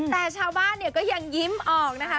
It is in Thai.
แต่ชาวบ้านเนี่ยก็ยังยิ้มออกนะคะ